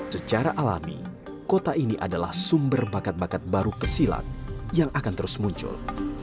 secara alami kota ini adalah sumber bakat bakat baru pesilat yang akan terus muncul